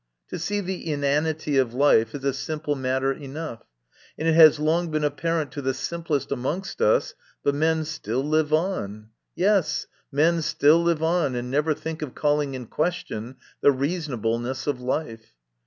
To see the inanity of life is a simple matter enough, and it has long been apparent to the simplest amongst us, but men still live on. Yes, men live on, and never think of calling in question the reasonableness of life